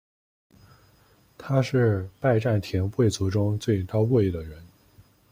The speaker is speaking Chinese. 他是拜占庭贵族中最高贵的人。